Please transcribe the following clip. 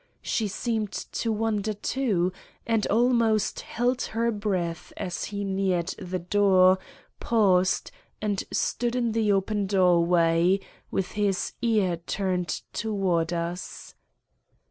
She seemed to wonder too, and almost held her breath as he neared the door, paused, and stood in the open doorway, with his ear turned towards us.